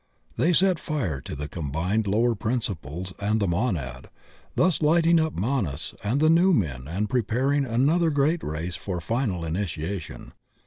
They set fire to the combined lower principles and the Monad, thus lighting up Manas in the new men and preparing another great race for final initiation.